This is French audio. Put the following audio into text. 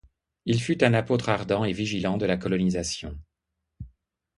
Il fut un apôtre ardent et vigilant de la colonisation.